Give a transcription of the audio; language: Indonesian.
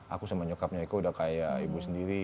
aku sama nyokapnya iko sudah kaya ibu sendiri